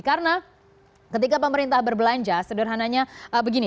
karena ketika pemerintah berbelanja sederhananya begini